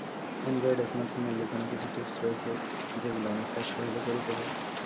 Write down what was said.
Android স্মার্টফোনের লুকানো কিছু টিপস রয়েছে, যেগুলো অনেক কাজ সহজে করে দেবে।